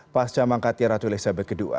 pasca mangkatnya ratu elizabeth ii